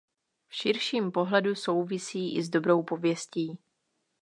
V širším pohledu souvisí i s dobrou pověstí.